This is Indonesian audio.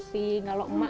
saya tidak mau ke rumah